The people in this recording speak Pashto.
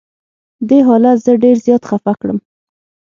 دې حالت زه ډېر زیات خفه کړم.